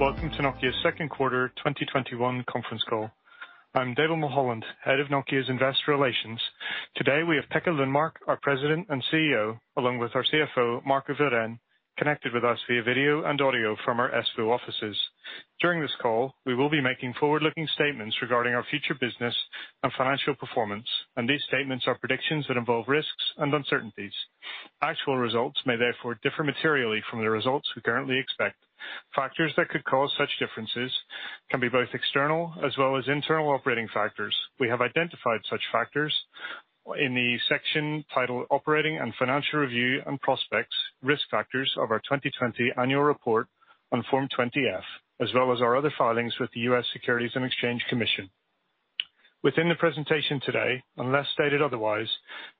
Welcome to Nokia's second quarter 2021 conference call. I'm David Mulholland, Head of Nokia's Investor Relations. Today, we have Pekka Lundmark, our President and CEO, along with our CFO, Marco Wirén, connected with us via video and audio from our Espoo offices. During this call, we will be making forward-looking statements regarding our future business and financial performance, and these statements are predictions that involve risks and uncertainties. Actual results may therefore differ materially from the results we currently expect. Factors that could cause such differences can be both external as well as internal operating factors. We have identified such factors in the section titled Operating and Financial Review and Prospects, Risk Factors of our 2020 annual report on Form 20-F, as well as our other filings with the U.S. Securities and Exchange Commission. Within the presentation today, unless stated otherwise,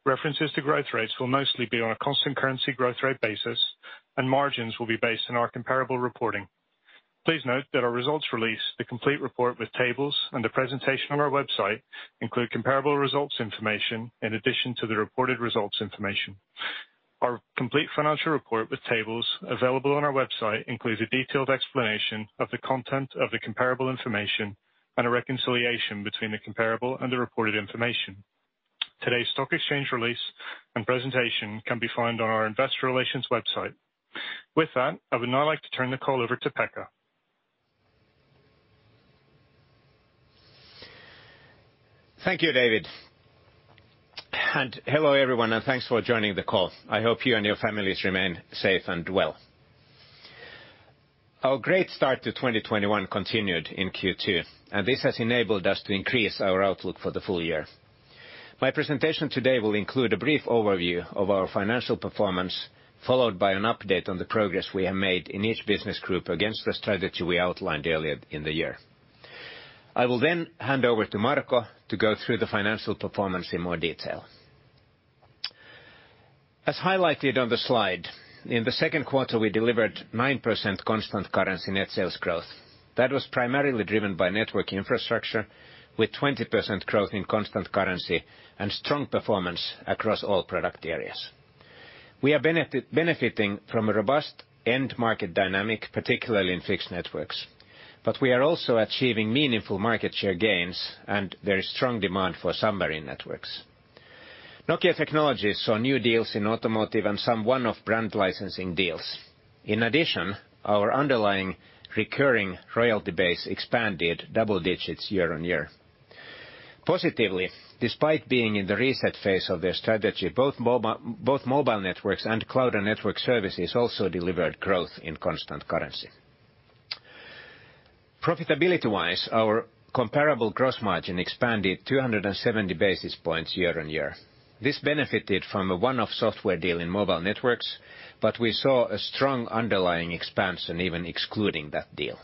references to growth rates will mostly be on a constant currency growth rate basis, and margins will be based on our comparable reporting. Please note that our results release, the complete report with tables, and the presentation on our website include comparable results information in addition to the reported results information. Our complete financial report with tables available on our website includes a detailed explanation of the content of the comparable information and a reconciliation between the comparable and the reported information. Today's stock exchange release and presentation can be found on our investor relations website. With that, I would now like to turn the call over to Pekka. Thank you, David. Hello everyone, and thanks for joining the call. I hope you and your families remain safe and well. Our great start to 2021 continued in Q2, and this has enabled us to increase our outlook for the full year. My presentation today will include a brief overview of our financial performance, followed by an update on the progress we have made in each business group against the strategy we outlined earlier in the year. I will hand over to Marco to go through the financial performance in more detail. As highlighted on the slide, in the second quarter, we delivered 9% constant currency net sales growth that was primarily driven by Network Infrastructure with 20% growth in constant currency and strong performance across all product areas. We are benefiting from a robust end market dynamic, particularly in Fixed Networks. We are also achieving meaningful market share gains, and there is strong demand for submarine networks. Nokia Technologies saw new deals in automotive and some one-off brand licensing deals. In addition, our underlying recurring royalty base expanded double-digits year-on-year. Positively, despite being in the reset phase of their strategy, both Mobile Networks and Cloud and Network Services also delivered growth in constant currency. Profitability-wise, our comparable gross margin expanded 270 basis points year-on-year. This benefited from a one-off software deal in Mobile Networks, but we saw a strong underlying expansion even excluding that deal.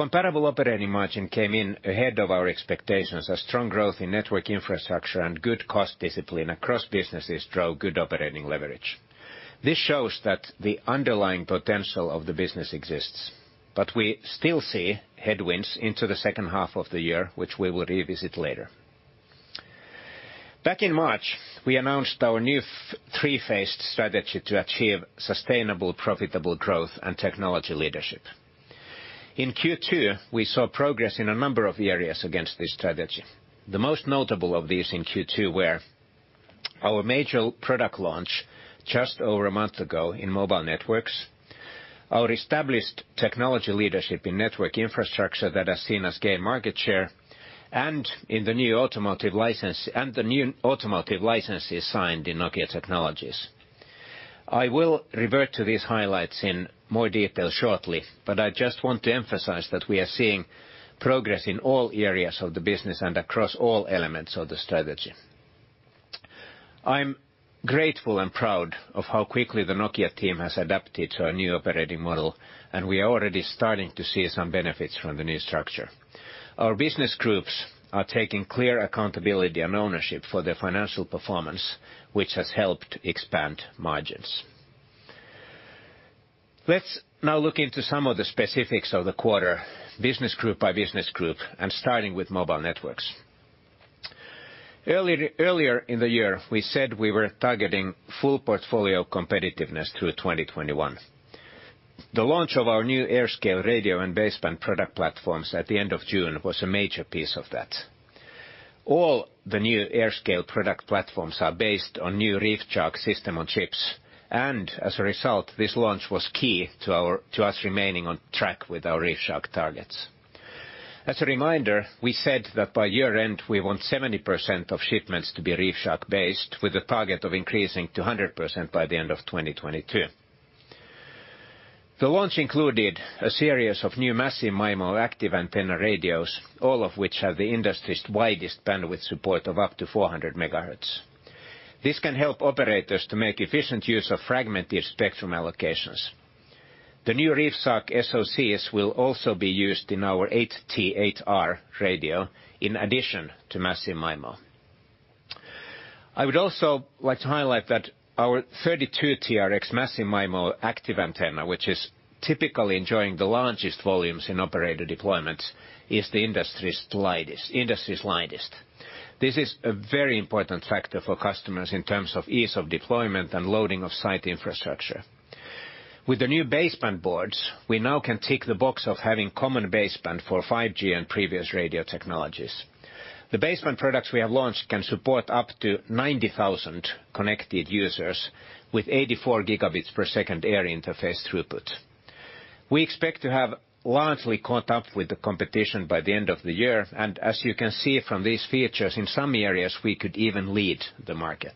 Comparable operating margin came in ahead of our expectations as strong growth in Network Infrastructure and good cost discipline across businesses drove good operating leverage. This shows that the underlying potential of the business exists, but we still see headwinds into the second half of the year, which we will revisit later. Back in March, we announced our new three-phased strategy to achieve sustainable, profitable growth and technology leadership. In Q2, we saw progress in a number of areas against this strategy. The most notable of these in Q2 were our major product launch just over a month ago in Mobile Networks, our established technology leadership in Network Infrastructure that has seen us gain market share, and the new automotive licenses signed in Nokia Technologies. I will revert to these highlights in more detail shortly, but I just want to emphasize that we are seeing progress in all areas of the business and across all elements of the strategy. I'm grateful and proud of how quickly the Nokia team has adapted to our new operating model, and we are already starting to see some benefits from the new structure. Our Business Groups are taking clear accountability and ownership for their financial performance, which has helped to expand margins. Let's now look into some of the specifics of the quarter, Business Group by Business Group, and starting with Mobile Networks. Earlier in the year, we said we were targeting full portfolio competitiveness through 2021. The launch of our new AirScale Radio and baseband product platforms at the end of June was a major piece of that. All the new AirScale product platforms are based on new ReefShark System-on-Chips, and as a result, this launch was key to us remaining on track with our ReefShark targets. As a reminder, we said that by year-end we want 70% of shipments to be ReefShark based, with a target of increasing to 100% by the end of 2022. The launch included a series of new Massive MIMO active antenna radios, all of which have the industry's widest bandwidth support of up to 400 MHz. This can help operators to make efficient use of fragmented spectrum allocations. The new ReefShark SoCs will also be used in our 8T8R radio, in addition to Massive MIMO. I would also like to highlight that our 32 TRX Massive MIMO active antenna, which is typically enjoying the largest volumes in operator deployments is the industry's lightest. This is a very important factor for customers in terms of ease of deployment and loading of site infrastructure. With the new baseband boards, we now can tick the box of having common baseband for 5G and previous radio technologies. The baseband products we have launched can support up to 90,000 connected users with 84 gigabits per second air interface throughput. We expect to have largely caught up with the competition by the end of the year, and as you can see from these features, in some areas, we could even lead the market.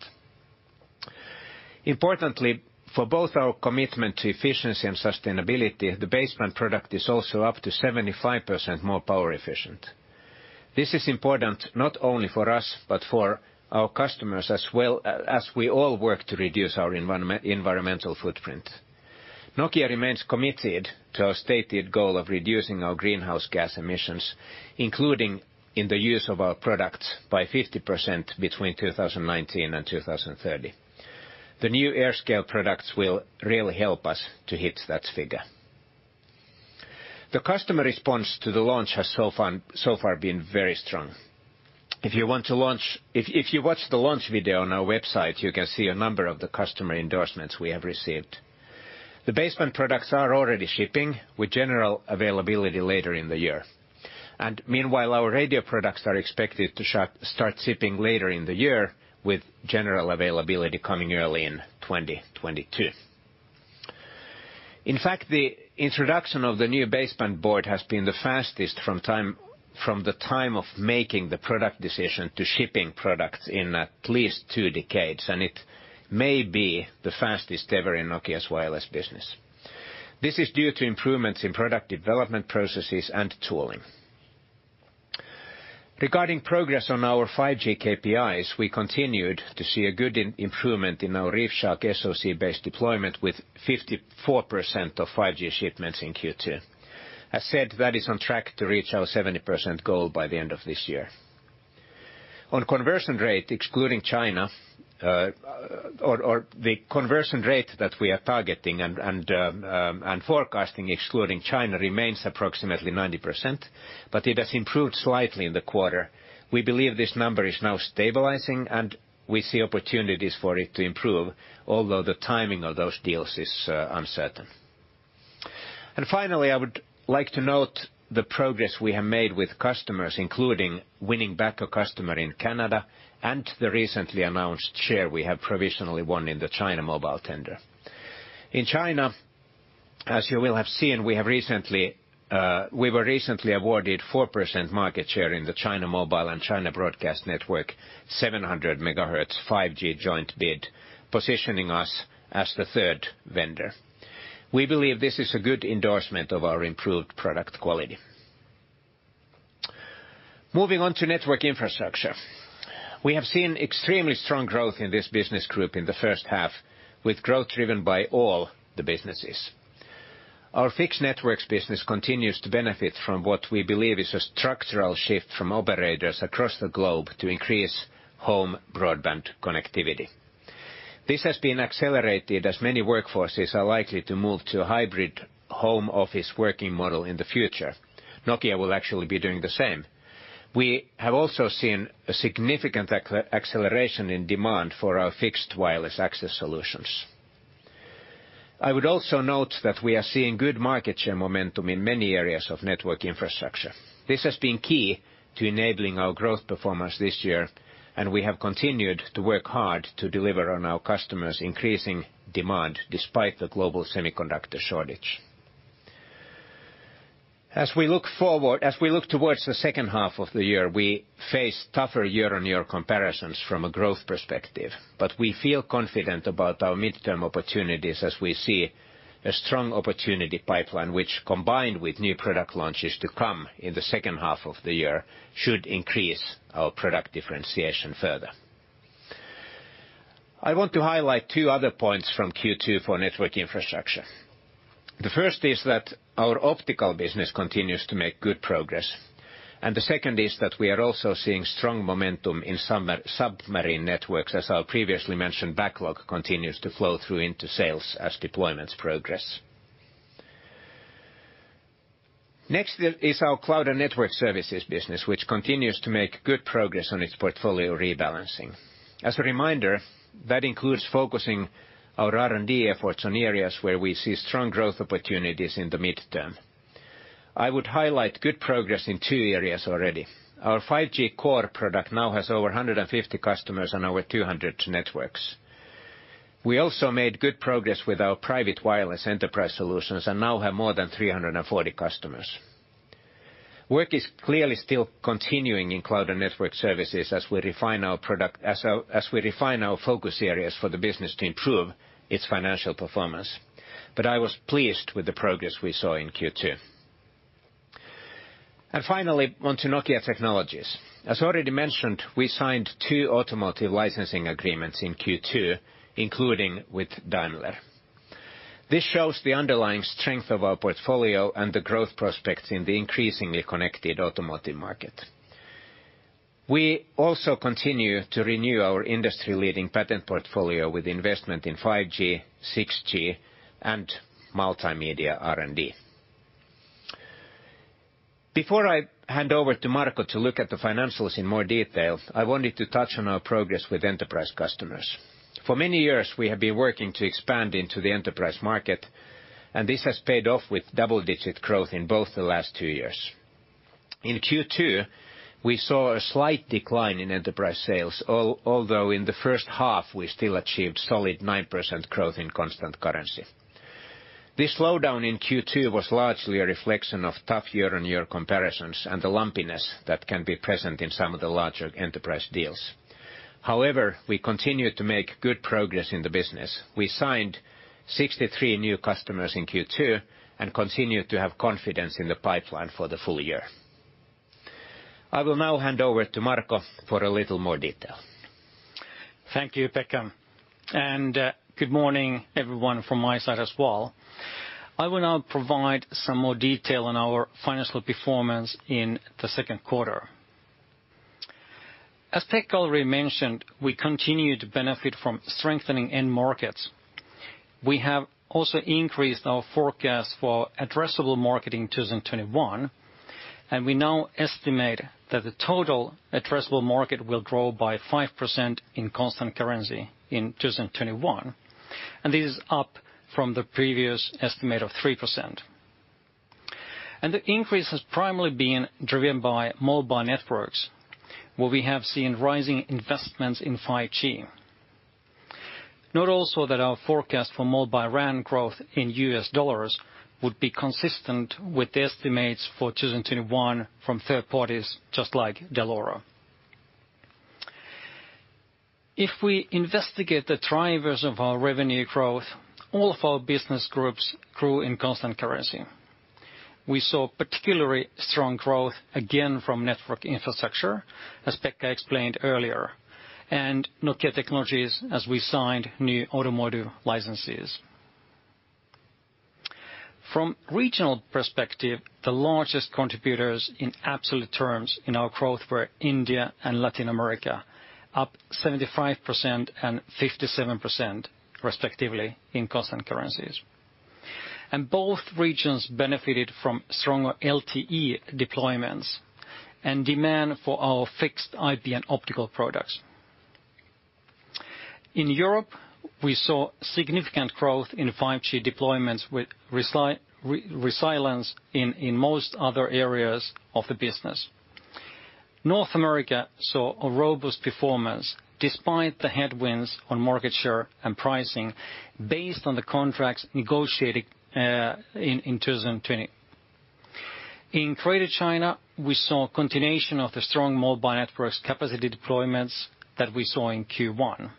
Importantly, for both our commitment to efficiency and sustainability, the baseband product is also up to 75% more power efficient. This is important not only for us but for our customers as well, as we all work to reduce our environmental footprint. Nokia remains committed to our stated goal of reducing our greenhouse gas emissions, including in the use of our products, by 50% between 2019 and 2030. The new AirScale products will really help us to hit that figure. The customer response to the launch has so far been very strong. If you watch the launch video on our website, you can see a number of the customer endorsements we have received. The baseband products are already shipping, with general availability later in the year. Meanwhile, our radio products are expected to start shipping later in the year, with general availability coming early in 2022. In fact, the introduction of the new baseband board has been the fastest from the time of making the product decision to shipping products in at least two decades, and it may be the fastest ever in Nokia's wireless business. This is due to improvements in product development processes and tooling. Regarding progress on our 5G KPIs, we continued to see a good improvement in our ReefShark SoC-based deployment, with 54% of 5G shipments in Q2. As said, that is on track to reach our 70% goal by the end of this year. On conversion rate, excluding China, or the conversion rate that we are targeting and forecasting excluding China remains approximately 90%, but it has improved slightly in the quarter. We believe this number is now stabilizing, and we see opportunities for it to improve, although the timing of those deals is uncertain. Finally, I would like to note the progress we have made with customers, including winning back a customer in Canada and the recently announced share we have provisionally won in the China Mobile tender. In China, as you will have seen, we were recently awarded 4% market share in the China Mobile and China Broadcasting Network 700 MHz 5G joint bid, positioning us as the third vendor. We believe this is a good endorsement of our improved product quality. Moving on to Network Infrastructure. We have seen extremely strong growth in this business group in the first half, with growth driven by all the businesses. Our Fixed Networks business continues to benefit from what we believe is a structural shift from operators across the globe to increase home broadband connectivity. This has been accelerated as many workforces are likely to move to a hybrid home office working model in the future. Nokia will actually be doing the same. We have also seen a significant acceleration in demand for our Fixed Wireless Access solutions. I would also note that we are seeing good market share momentum in many areas of Network Infrastructure. This has been key to enabling our growth performance this year, and we have continued to work hard to deliver on our customers' increasing demand, despite the global semiconductor shortage. As we look towards the second half of the year, we face tougher year-on-year comparisons from a growth perspective, but we feel confident about our midterm opportunities as we see a strong opportunity pipeline, which combined with new product launches to come in the second half of the year, should increase our product differentiation further. I want to highlight two other points from Q2 for Network Infrastructure. The first is that our optical business continues to make good progress, and the second is that we are also seeing strong momentum in submarine networks as our previously mentioned backlog continues to flow through into sales as deployments progress. Next is our Cloud and Network Services business, which continues to make good progress on its portfolio rebalancing. As a reminder, that includes focusing our R&D efforts on areas where we see strong growth opportunities in the midterm. I would highlight good progress in two areas already. Our 5G Core product now has over 150 customers on our 200 networks. We also made good progress with our private wireless enterprise solutions and now have more than 340 customers. Work is clearly still continuing in Cloud and Network Services as we refine our focus areas for the business to improve its financial performance. I was pleased with the progress we saw in Q2. Finally, on to Nokia Technologies. As already mentioned, we signed two automotive licensing agreements in Q2, including with Daimler. This shows the underlying strength of our portfolio and the growth prospects in the increasingly connected automotive market. We also continue to renew our industry-leading patent portfolio with investment in 5G, 6G and multimedia R&D. Before I hand over to Marco to look at the financials in more detail, I wanted to touch on our progress with enterprise customers. For many years, we have been working to expand into the enterprise market, and this has paid off with double-digit growth in both the last two years. In Q2, we saw a slight decline in enterprise sales, although in the first half, we still achieved solid 9% growth in constant currency. This slowdown in Q2 was largely a reflection of tough year-on-year comparisons and the lumpiness that can be present in some of the larger enterprise deals. However, we continued to make good progress in the business. We signed 63 new customers in Q2 and continued to have confidence in the pipeline for the full year. I will now hand over to Marco for a little more detail. Thank you, Pekka. Good morning, everyone, from my side as well. I will now provide some more detail on our financial performance in the second quarter. As Pekka already mentioned, we continue to benefit from strengthening end markets. We have also increased our forecast for addressable market in 2021, and we now estimate that the total addressable market will grow by 5% in constant currency in 2021. This is up from the previous estimate of 3%. The increase has primarily been driven by Mobile Networks, where we have seen rising investments in 5G. Note also that our forecast for mobile RAN growth in USD would be consistent with the estimates for 2021 from third parties just like Dell'Oro. If we investigate the drivers of our revenue growth, all of our Business Groups grew in constant currency. We saw particularly strong growth again from Network Infrastructure, as Pekka explained earlier, and Nokia Technologies as we signed new automotive licenses. From regional perspective, the largest contributors in absolute terms in our growth were India and Latin America, up 75% and 57% respectively in constant currencies. Both regions benefited from stronger LTE deployments and demand for our fixed IP and optical products. In Europe, we saw significant growth in 5G deployments with resilience in most other areas of the business. North America saw a robust performance despite the headwinds on market share and pricing based on the contracts negotiated in 2020. In Greater China, we saw a continuation of the strong Mobile Networks capacity deployments that we saw in Q1.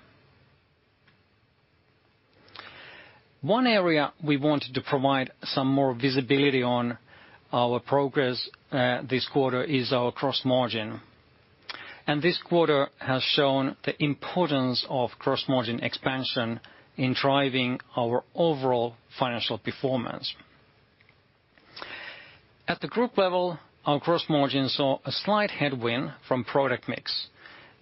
One area we wanted to provide some more visibility on our progress this quarter is our cross margin. This quarter has shown the importance of cross-margin expansion in driving our overall financial performance. At the group level, our gross margin saw a slight headwind from product mix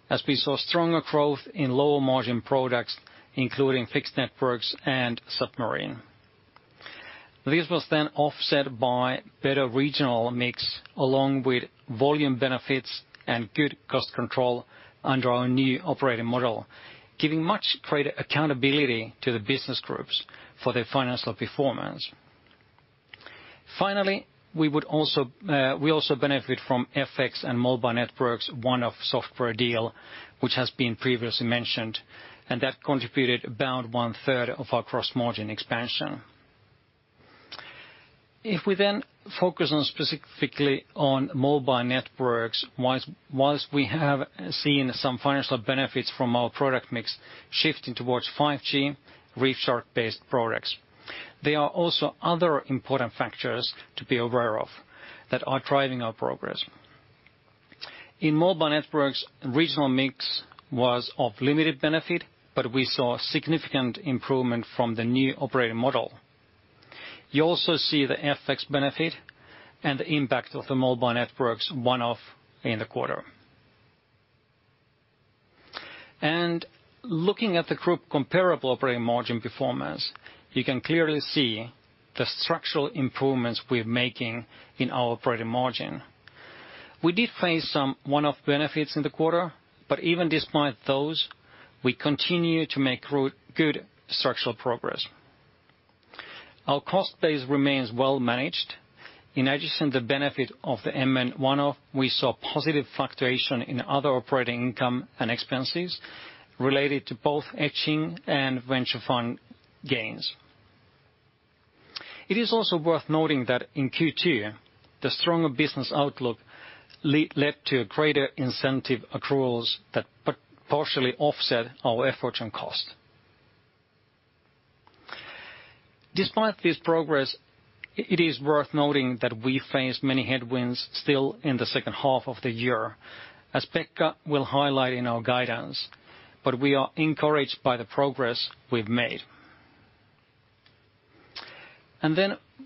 as we saw stronger growth in lower-margin products, including Fixed Networks and submarine. This was then offset by better regional mix along with volume benefits and good cost control under our new operating model, giving much greater accountability to the Business Groups for their financial performance. Finally, we also benefit from FX and Mobile Networks one-off software deal, which has been previously mentioned, and that contributed about one-third of our cross-margin expansion. If we then focus specifically on Mobile Networks, whilst we have seen some financial benefits from our product mix shifting towards 5G ReefShark-based products, there are also other important factors to be aware of that are driving our progress. In Mobile Networks, regional mix was of limited benefit. We saw significant improvement from the new operating model. You also see the FX benefit and the impact of the Mobile Networks one-off in the quarter. Looking at the group comparable operating margin performance, you can clearly see the structural improvements we're making in our operating margin. We did face some one-off benefits in the quarter. Even despite those, we continue to make good structural progress. Our cost base remains well managed. In addition, the benefit of the MN one-off, we saw positive fluctuation in other operating income and expenses related to both hedging and venture fund gains. It is also worth noting that in Q2, the stronger business outlook led to greater incentive accruals that partially offset our efforts and cost. Despite this progress, it is worth noting that we face many headwinds still in the second half of the year, as Pekka will highlight in our guidance, but we are encouraged by the progress we've made.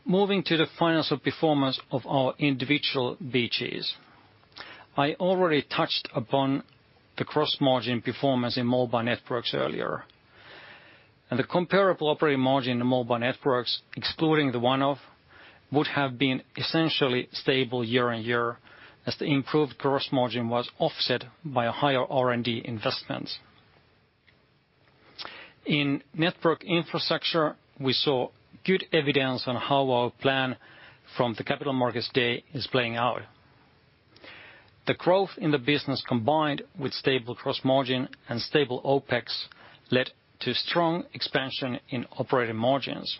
Moving to the financial performance of our individual BGs. I already touched upon the gross margin performance in Mobile Networks earlier, and the comparable operating margin in Mobile Networks, excluding the one-off, would have been essentially stable year on year as the improved gross margin was offset by higher R&D investments. In Network Infrastructure, we saw good evidence on how our plan from the Capital Markets Day is playing out. The growth in the business combined with stable gross margin and stable OPEX led to strong expansion in operating margins.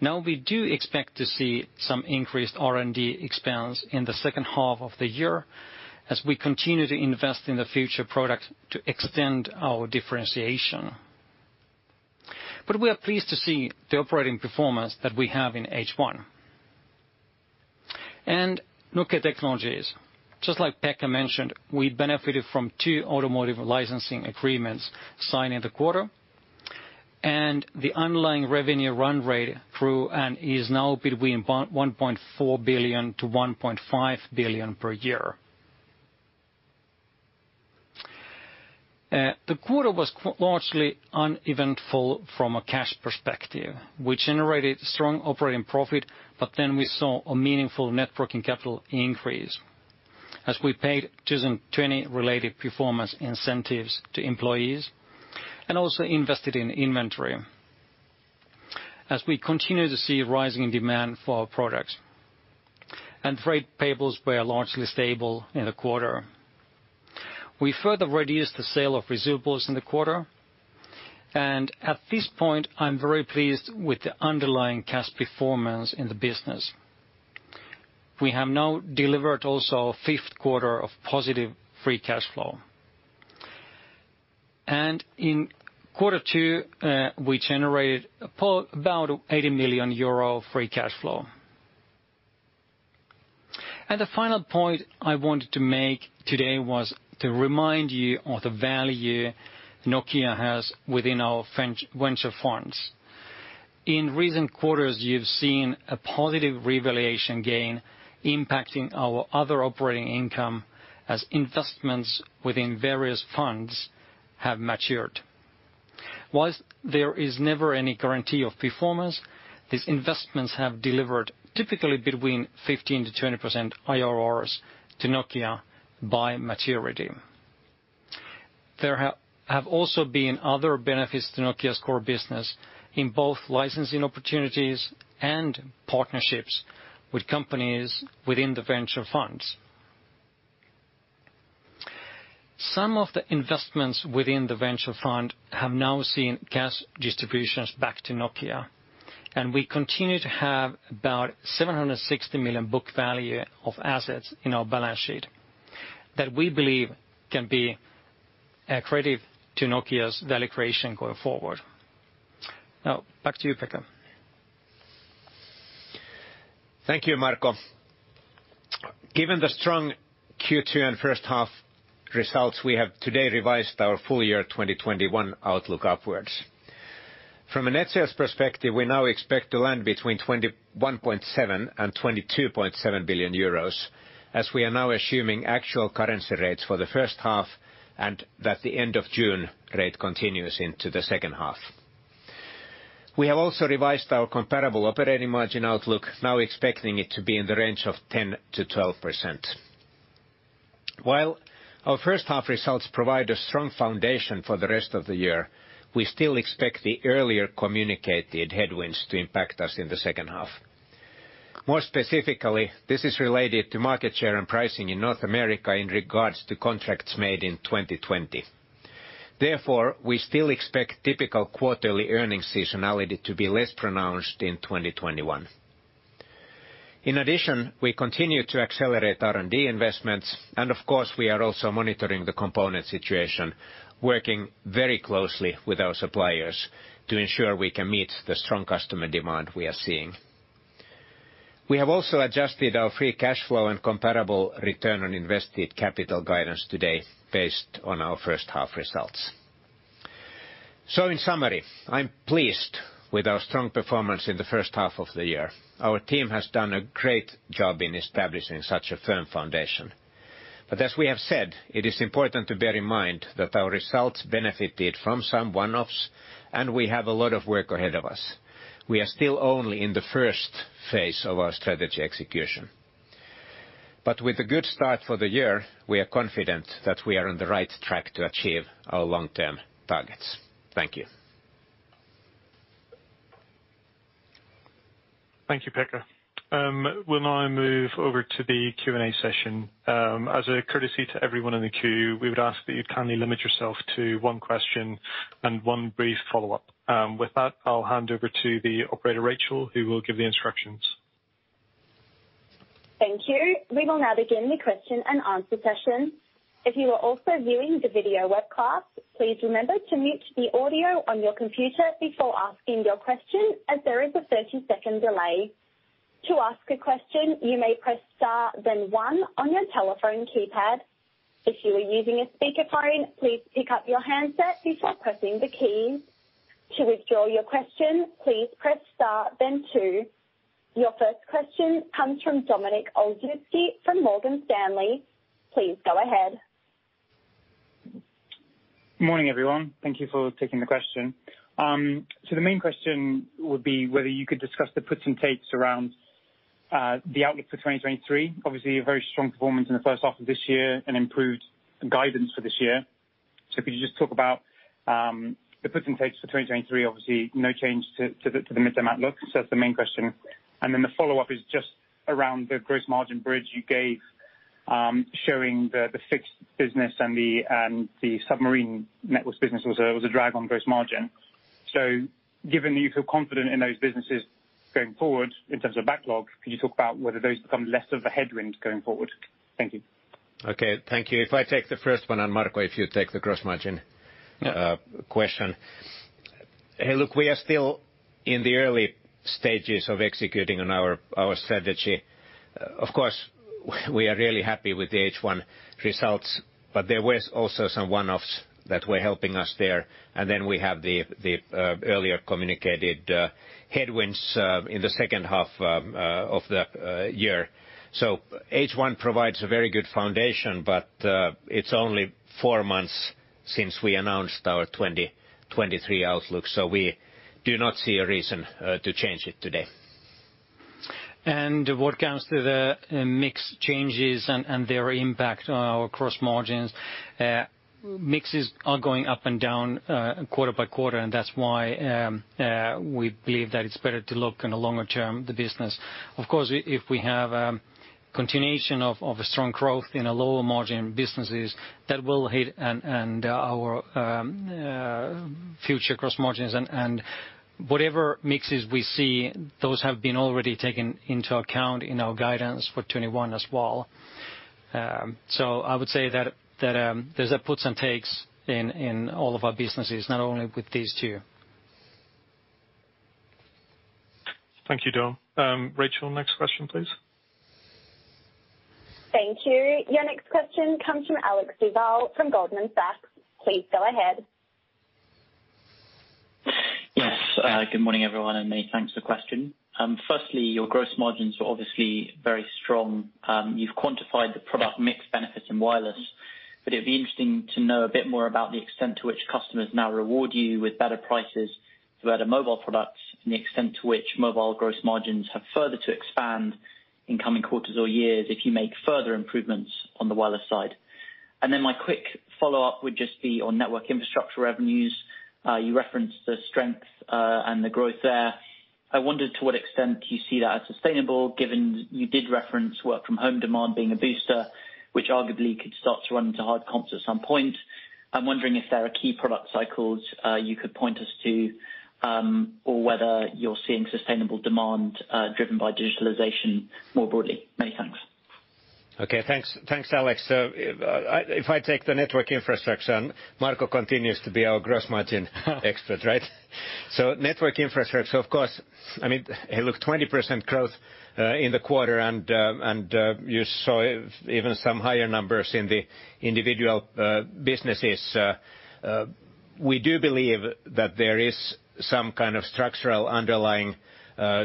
We do expect to see some increased R&D expense in the second half of the year as we continue to invest in the future products to extend our differentiation. We are pleased to see the operating performance that we have in H1. Nokia Technologies, just like Pekka mentioned, we benefited from two automotive licensing agreements signed in the quarter, and the underlying revenue run rate grew and is now between 1.4 billion-1.5 billion per year. The quarter was largely uneventful from a cash perspective. We generated strong operating profit, but then we saw a meaningful net working capital increase as we paid 2020 related performance incentives to employees and also invested in inventory as we continue to see rising demand for our products. Freight payables were largely stable in the quarter. We further reduced the sale of receivables in the quarter. At this point, I'm very pleased with the underlying cash performance in the business. We have now delivered also a 5th quarter of positive free cash flow. In Q2, we generated about 80 million euro free cash flow. The final point I wanted to make today was to remind you of the value Nokia has within our venture funds. In recent quarters, you've seen a positive revaluation gain impacting our other operating income as investments within various funds have matured. There is never any guarantee of performance, these investments have delivered typically between 15%-20% IRRs to Nokia by maturity. There have also been other benefits to Nokia's core business in both licensing opportunities and partnerships with companies within the venture funds. Some of the investments within the venture fund have now seen cash distributions back to Nokia, and we continue to have about 760 million book value of assets in our balance sheet that we believe can be accretive to Nokia's value creation going forward. Now, back to you, Pekka. Thank you, Marco. Given the strong Q2 and first half results, we have today revised our full year 2021 outlook upwards. From a net sales perspective, we now expect to land between 21.7 billion and 22.7 billion euros, as we are now assuming actual currency rates for the first half and that the end of June rate continues into the second half. We have also revised our comparable operating margin outlook, now expecting it to be in the range of 10%-12%. While our first half results provide a strong foundation for the rest of the year, we still expect the earlier communicated headwinds to impact us in the second half. More specifically, this is related to market share and pricing in North America in regards to contracts made in 2020. Therefore, we still expect typical quarterly earnings seasonality to be less pronounced in 2021. In addition, we continue to accelerate R&D investments, and of course, we are also monitoring the component situation, working very closely with our suppliers to ensure we can meet the strong customer demand we are seeing. We have also adjusted our free cash flow and comparable return on invested capital guidance today based on our first half results. In summary, I'm pleased with our strong performance in the first half of the year. Our team has done a great job in establishing such a firm foundation. As we have said, it is important to bear in mind that our results benefited from some one-offs, and we have a lot of work ahead of us. We are still only in the first phase of our strategy execution. With a good start for the year, we are confident that we are on the right track to achieve our long-term targets. Thank you. Thank you, Pekka. We'll now move over to the Q&A session. As a courtesy to everyone in the queue, we would ask that you kindly limit yourself to one question and one brief follow-up. With that, I'll hand over to the operator, Rachel, who will give the instructions. Thank you. We will now begin the question and answer session. If you are also viewing the video webcast, please remember to mute the audio on your computer before asking your question as there is a 30-second delay. Your first question comes from Dominik Olszewski from Morgan Stanley. Please go ahead. Morning, everyone. Thank you for taking the question. The main question would be whether you could discuss the puts and takes around the outlook for 2023. Obviously, a very strong performance in the first half of this year and improved guidance for this year. Could you just talk about the puts and takes for 2023? Obviously, no change to the mid-term outlook. That's the main question. The follow-up is just around the gross margin bridge you gave showing the Fixed Networks business and the submarine networks business was a drag on gross margin. Given that you feel confident in those businesses going forward in terms of backlog, could you talk about whether those become less of a headwind going forward? Thank you. Okay. Thank you. If I take the first one, and Marco, if you take the gross margin- Yeah ...question. Hey, look, we are still in the early stages of executing on our strategy. Of course, we are really happy with the H1 results, but there was also some one-offs that were helping us there. We have the earlier communicated headwinds in the second half of the year. H1 provides a very good foundation, but it's only four months since we announced our 2023 outlook, so we do not see a reason to change it today. What comes to the mix changes and their impact on our gross margins. Mixes are going up and down quarter by quarter. That's why we believe that it's better to look in a longer term, the business. Of course, if we have continuation of a strong growth in a lower margin businesses, that will hit and our future gross margins and whatever mixes we see, those have been already taken into account in our guidance for 2021 as well. I would say that there's puts and takes in all of our businesses, not only with these two. Thank you, Dom. Rachel, next question, please. Thank you. Your next question comes from Alexander Duval from Goldman Sachs. Please go ahead. Yes. Good morning, everyone, and many thanks for the question. Firstly, your gross margins are obviously very strong. You've quantified the product mix benefits in wireless, it'd be interesting to know a bit more about the extent to which customers now reward you with better prices for better mobile products and the extent to which mobile gross margins have further to expand in coming quarters or years if you make further improvements on the wireless side. My quick follow-up would just be on Network Infrastructure revenues. You referenced the strength and the growth there. I wondered to what extent you see that as sustainable, given you did reference work from home demand being a booster, which arguably could start to run into hard comps at some point. I'm wondering if there are key product cycles you could point us to or whether you're seeing sustainable demand driven by digitalization more broadly. Many thanks. Okay, thanks, Alex. If I take the Network Infrastructure, Marco continues to be our gross margin expert, right? Network Infrastructure, of course, hey, look, 20% growth in the quarter, and you saw even some higher numbers in the individual businesses. We do believe that there is some kind of structural underlying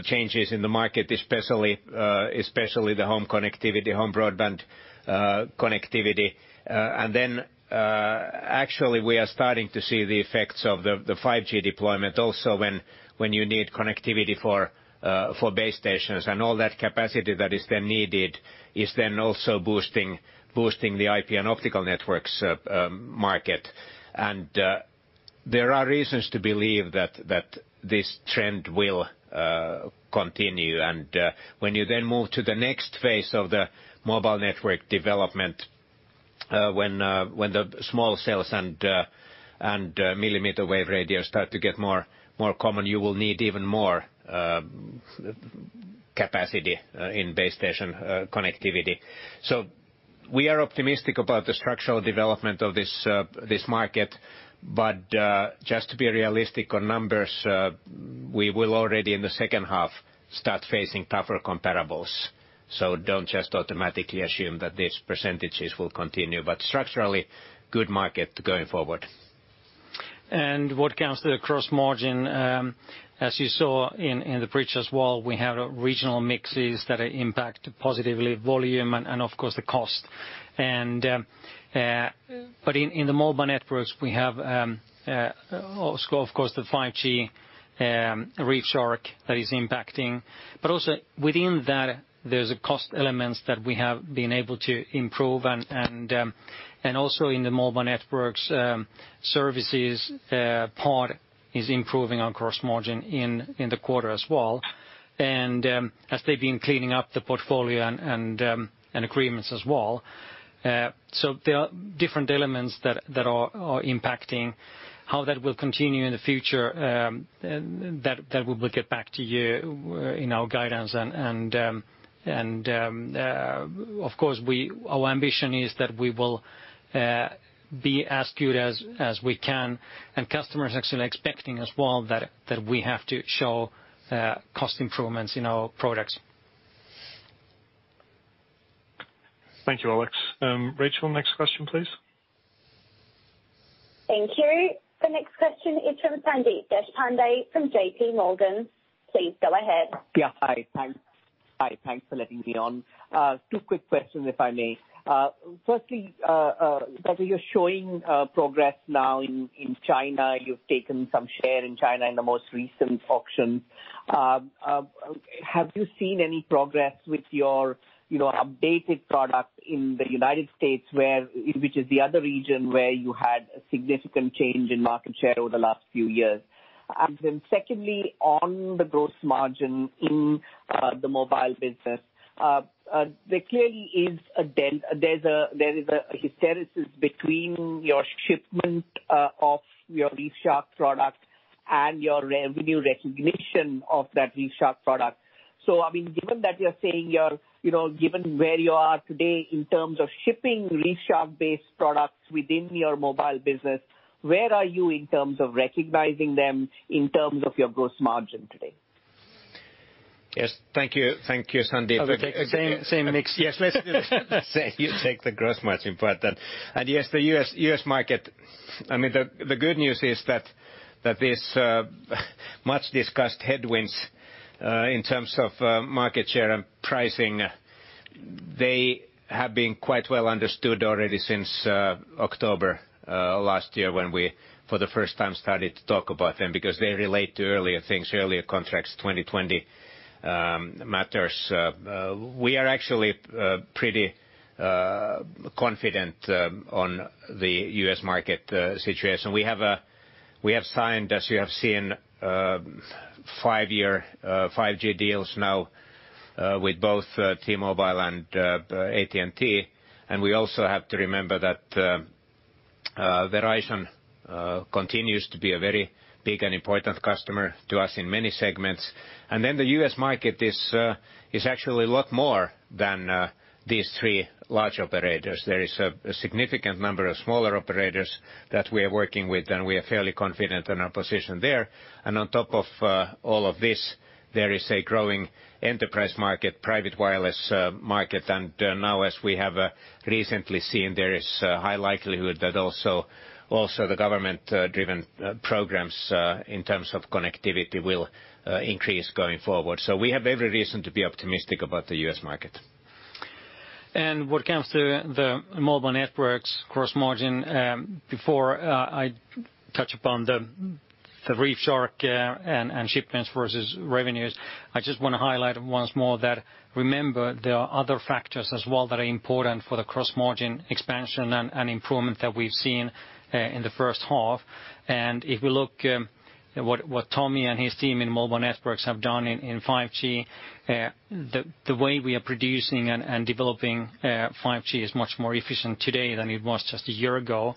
changes in the market, especially the home connectivity, home broadband connectivity. Then actually, we are starting to see the effects of the 5G deployment also when you need connectivity for base stations and all that capacity that is then needed is then also boosting the IP and Optical Networks market. There are reasons to believe that this trend will continue. When you then move to the next phase of the mobile network development when the small cells and millimeter wave radios start to get more common, you will need even more capacity in base station connectivity. Just to be realistic on numbers, we will already in the second half start facing tougher comparables. Don't just automatically assume that these percentages will continue. Structurally, good market going forward. What comes to the gross margin, as you saw in the bridge as well, we have regional mixes that impact positively volume and of course the cost. In the Mobile Networks, we have also, of course, the 5G ReefShark that is impacting. Also within that, there's cost elements that we have been able to improve and also in the Mobile Networks services part is improving our gross margin in the quarter as well. As they've been cleaning up the portfolio and agreements as well. There are different elements that are impacting how that will continue in the future. That we will get back to you in our guidance and of course our ambition is that we will be as good as we can and customers actually expecting as well that we have to show cost improvements in our products. Thank you, Alex. Rachel, next question, please. Thank you. The next question is from Sandeep Deshpande from JPMorgan. Please go ahead. Yeah. Hi. Thanks for letting me on. Two quick questions, if I may. Firstly, that you're showing progress now in China. You've taken some share in China in the most recent auction. Have you seen any progress with your updated product in the U.S., which is the other region where you had a significant change in market share over the last few years? Then secondly, on the gross margin in the mobile business, there clearly is a delta. There is a hysteresis between your shipment of your ReefShark product and your revenue recognition of that ReefShark product. Given where you are today in terms of shipping ReefShark-based products within your mobile business, where are you in terms of recognizing them in terms of your gross margin today? Yes. Thank you, Sandeep. I'll take same mix. Yes. You take the gross margin part then. Yes, the U.S. market, the good news is that this much discussed headwinds, in terms of market share and pricing, they have been quite well understood already since October last year, when we, for the first time, started to talk about them because they relate to earlier things, earlier contracts, 2020 matters. We are actually pretty confident on the U.S. market situation. We have signed, as you have seen, five-year 5G deals now with both T-Mobile and AT&T. We also have to remember that Verizon continues to be a very big and important customer to us in many segments. The U.S. market is actually a lot more than these three large operators. There is a significant number of smaller operators that we are working with, and we are fairly confident in our position there. On top of all of this, there is a growing enterprise market, private wireless market. Now, as we have recently seen, there is high likelihood that also the government-driven programs, in terms of connectivity, will increase going forward. We have every reason to be optimistic about the U.S. market. When it comes to the Mobile Networks gross margin, before I touch upon the ReefShark and shipments versus revenues, I just want to highlight once more that, remember, there are other factors as well that are important for the gross margin expansion and improvement that we've seen in the first half. If we look at what Tommi and his team in Mobile Networks have done in 5G, the way we are producing and developing 5G is much more efficient today than it was just a year ago.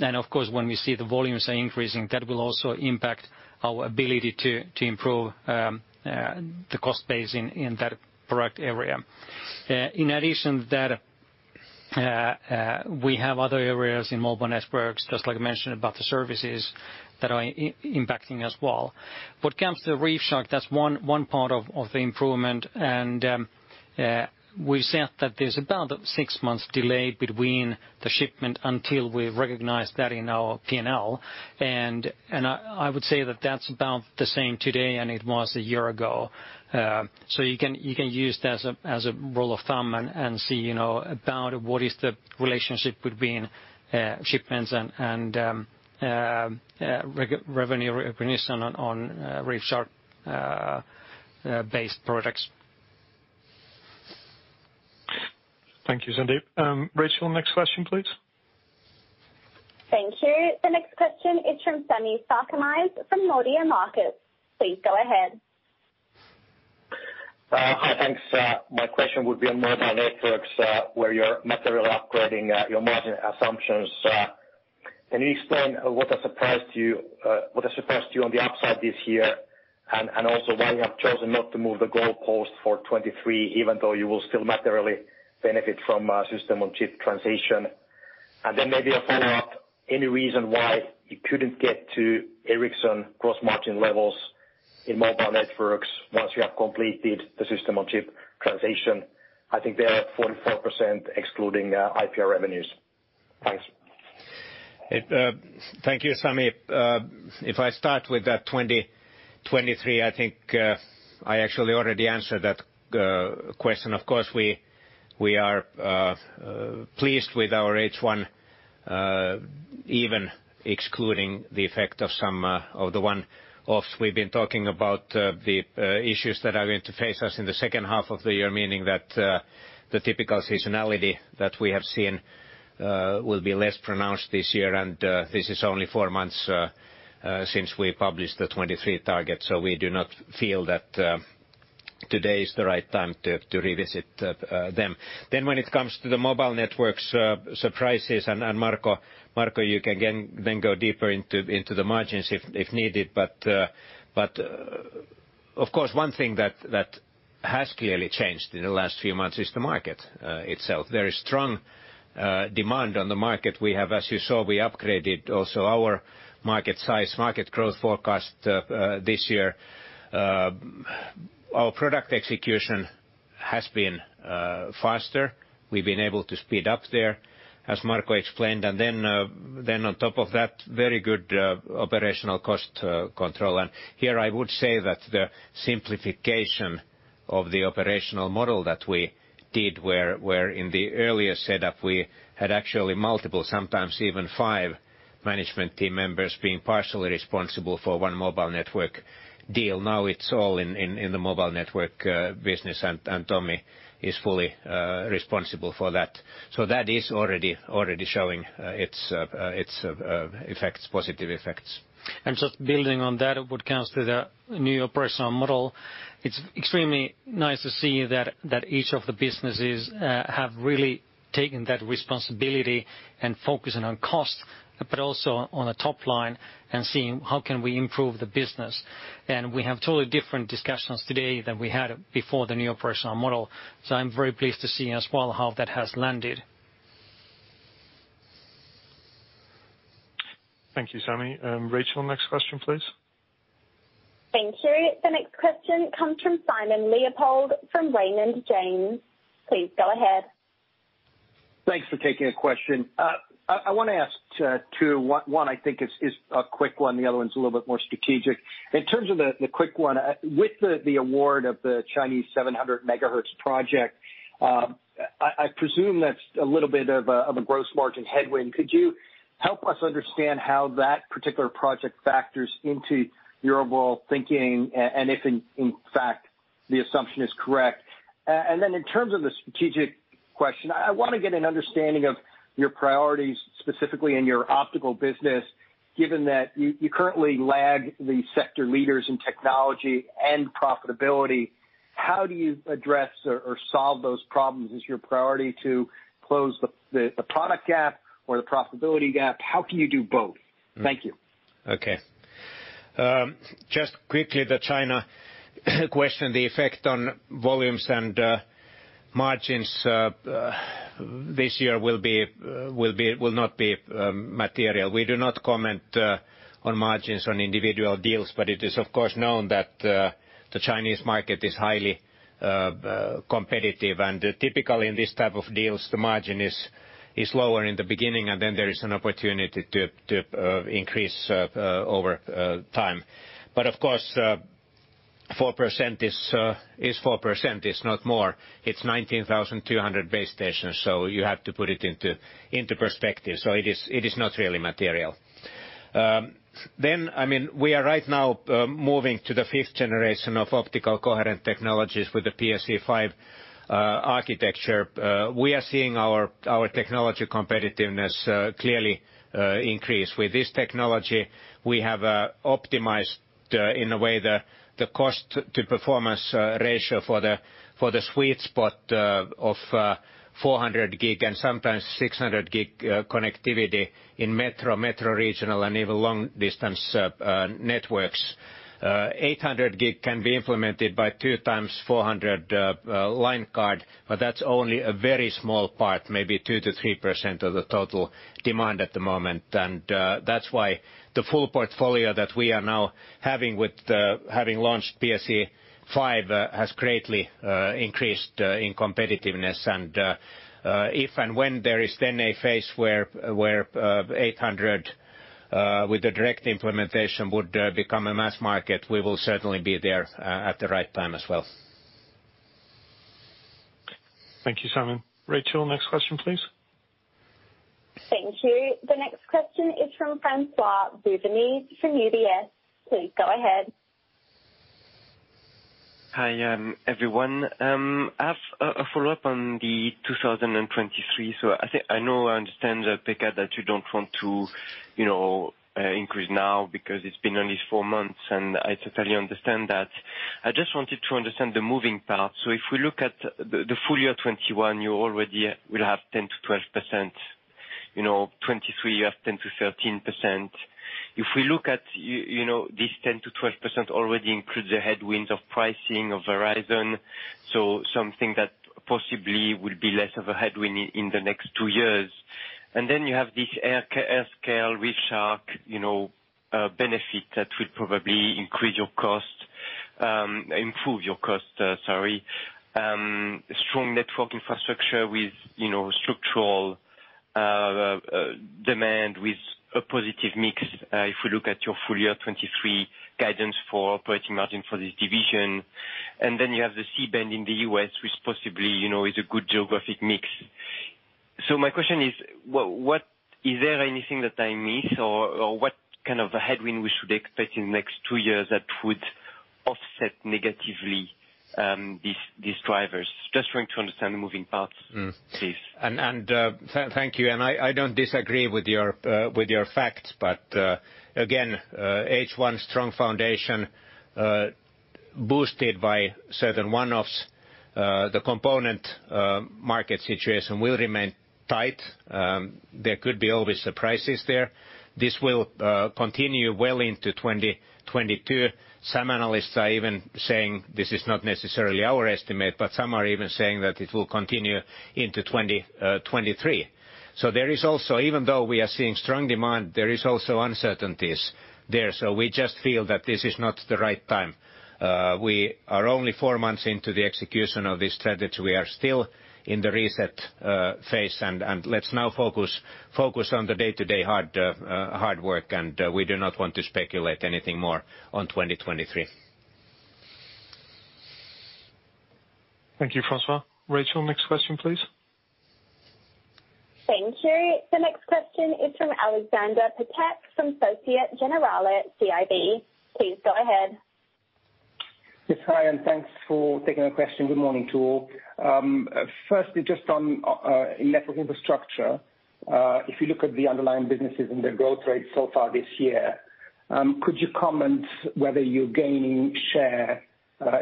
Of course, when we see the volumes are increasing, that will also impact our ability to improve the cost base in that product area. In addition to that, we have other areas in Mobile Networks, just like I mentioned about the services, that are impacting as well. What comes to ReefShark, that's one part of the improvement, and we've said that there's about a six months delay between the shipment until we recognize that in our P&L. I would say that's about the same today than it was a year ago. You can use that as a rule of thumb and see about what is the relationship between shipments and revenue recognition on ReefShark-based projects. Thank you, Sandeep. Rachel, next question, please. Thank you. The next question is from Sami Sarkamies from Nordea Markets. Please go ahead. Hi. Thanks. My question would be on Mobile Networks, where you're materially upgrading your margin assumptions. Can you explain what has surprised you on the upside this year? Also why you have chosen not to move the goalpost for 2023, even though you will still materially benefit from a System-on-Chip transition? Maybe a follow-up, any reason why you couldn't get to Ericsson gross margin levels in Mobile Networks once you have completed the System-on-Chip transition? I think they are at 44% excluding IPR revenues. Thanks. Thank you, Sami. If I start with that 2023, I think I actually already answered that question. Of course, we are pleased with our H1, even excluding the effect of some of the one-offs we've been talking about, the issues that are going to face us in the second half of the year, meaning that the typical seasonality that we have seen will be less pronounced this year. This is only four months since we published the 2023 target. We do not feel that today is the right time to revisit them. When it comes to the Mobile Networks surprises, and Marco, you can then go deeper into the margins if needed. Of course, one thing that has clearly changed in the last few months is the market itself. Very strong demand on the market. As you saw, we upgraded also our market size, market growth forecast this year. Our product execution has been faster. We've been able to speed up there, as Marco explained, and then on top of that, very good operational cost control. Here I would say that the simplification of the operational model that we did, where in the earlier setup, we had actually multiple, sometimes even five management team members being partially responsible for one mobile network deal. Now it's all in the mobile network business, and Tommi is fully responsible for that. That is already showing its positive effects. Just building on that, what counts to the new operational model, it's extremely nice to see that each of the businesses have really taken that responsibility and focusing on cost, but also on the top line and seeing how can we improve the business. We have totally different discussions today than we had before the new operational model. I'm very pleased to see as well how that has landed. Thank you, Sami. Rachel, next question, please. Thank you. The next question comes from Simon Leopold from Raymond James. Please go ahead. Thanks for taking a question. I want to ask two. One, I think is a quick one, the other one's a little bit more strategic. In terms of the quick one, with the award of the Chinese 700 MHz project, I presume that's a little bit of a gross margin headwind. Could you help us understand how that particular project factors into your overall thinking and if, in fact, the assumption is correct? In terms of the strategic question, I want to get an understanding of your priorities, specifically in your optical business, given that you currently lag the sector leaders in technology and profitability. How do you address or solve those problems? Is your priority to close the product gap or the profitability gap? How can you do both? Thank you. Just quickly, the China question, the effect on volumes and margins this year will not be material. We do not comment on margins on individual deals, it is of course known that the Chinese market is highly competitive. Typically, in this type of deals, the margin is lower in the beginning, and then there is an opportunity to increase over time. Of course, 4% is 4%, it's not more. It's 19,200 base stations, you have to put it into perspective. It is not really material. We are right now moving to the fifth generation of optical coherent technologies with the PSE-V architecture. We are seeing our technology competitiveness clearly increase. With this technology, we have optimized, in a way, the cost to performance ratio for the sweet spot of 400G and sometimes 600G connectivity in metro regional, and even long-distance networks. 800G can be implemented by two times 400 line card, but that's only a very small part, maybe 2%-3% of the total demand at the moment. That's why the full portfolio that we are now having with having launched PSE-V has greatly increased in competitiveness. If and when there is then a phase where 800 with the direct implementation would become a mass market, we will certainly be there at the right time as well. Thank you, Simon. Rachel, next question, please. Thank you. The next question is from François-Xavier Bouvignies from UBS. Please go ahead. Hi, everyone. I have a follow-up on the 2023. I know, I understand, Pekka, that you don't want to increase now because it's been only four months, and I totally understand that. I just wanted to understand the moving parts. If we look at the full year 2021, you already will have 10%-12%, 2023 you have 10%-13%. If we look at this 10%-12% already includes the headwinds of pricing of Verizon. Something that possibly would be less of a headwind in the next two years. You have this AirScale ReefShark benefit that will probably improve your cost. Strong Network Infrastructure with structural demand with a positive mix, if we look at your full year 2023 guidance for operating margin for this division. You have the C-band in the U.S., which possibly is a good geographic mix. My question is there anything that I miss or what kind of a headwind we should expect in the next two years that would offset negatively these drivers? Just trying to understand the moving parts, please. Thank you. I don't disagree with your facts, but again, H1 strong foundation boosted by certain one-offs. The component market situation will remain tight. There could be always surprises there. This will continue well into 2022. Some analysts are even saying, this is not necessarily our estimate, but some are even saying that it will continue into 2023. Even though we are seeing strong demand, there is also uncertainties there. We just feel that this is not the right time. We are only four months into the execution of this strategy. We are still in the reset phase. Let's now focus on the day-to-day hard work. We do not want to speculate anything more on 2023. Thank you, François. Rachel, next question, please. Thank you. The next question is from Aleksander Peterc from Societe Generale CIB. Please go ahead. Yes. Hi, thanks for taking my question. Good morning to all. Firstly, just on Network Infrastructure. If you look at the underlying businesses and their growth rates so far this year, could you comment whether you're gaining share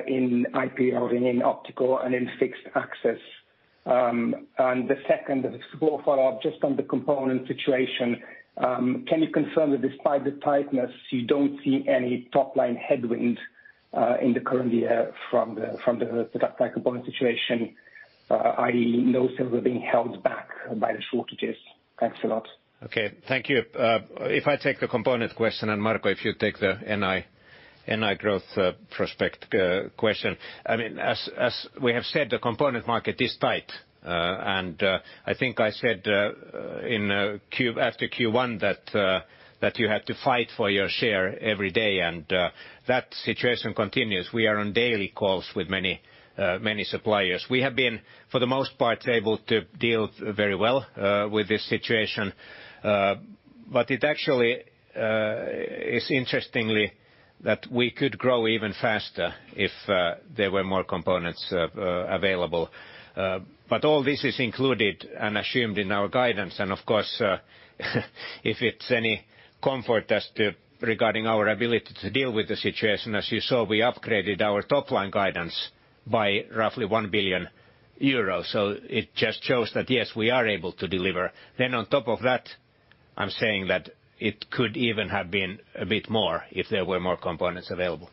in IP or in Optical and in Fixed Access? The second is a small follow-up just on the component situation. Can you confirm that despite the tightness, you don't see any top-line headwind in the current year from the product cycle component situation? I know some are being held back by the shortages. Thanks a lot. Okay. Thank you. If I take the component question and, Marco, if you take the NI growth prospect question. As we have said, the component market is tight. I think I said after Q1 that you had to fight for your share every day, and that situation continues. We are on daily calls with many suppliers. We have been, for the most part, able to deal very well with this situation. It actually is interestingly that we could grow even faster if there were more components available. All this is included and assumed in our guidance, and of course if it's any comfort as to regarding our ability to deal with the situation, as you saw, we upgraded our top-line guidance by roughly 1 billion euros. It just shows that, yes, we are able to deliver. On top of that, I'm saying that it could even have been a bit more if there were more components available.